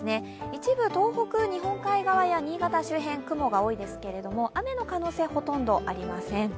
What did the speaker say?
一部、東北、日本海側や新潟周辺は雲が多いですけれども、雨の可能性、ほとんどありません。